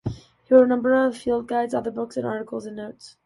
He wrote a number of field guides, other books, articles and notes.